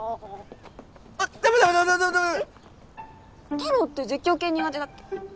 たろーって絶叫系苦手だっけ？